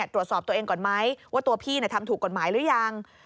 ตรวจสอบตัวเองก่อนไหมว่าตัวพี่ทำถูกกฎหมายหรือยัง